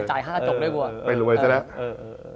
จ่ายค่ากระจกด้วยกว่าไปรวยแล้ว